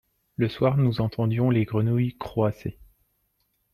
le soir nous entendions les grenouilles croasser.